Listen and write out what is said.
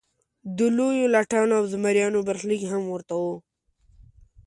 د لویو لټانو او زمریانو برخلیک هم ورته و.